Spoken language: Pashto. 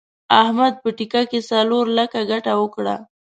احمد په ټېکه کې څلور لکه ګټه وکړه.